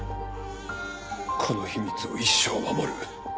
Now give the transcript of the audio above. この秘密を一生守る。